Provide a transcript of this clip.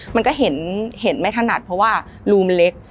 มันก็เห็นไม่ถนัดเพราะว่ารูมเล็ก